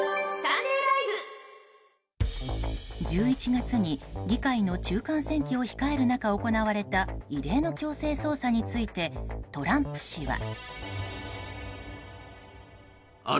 １１月に議会の中間選挙を控える中、行われた異例の強制捜査についてトランプ氏は。